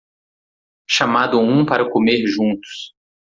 Chamado um para comer juntos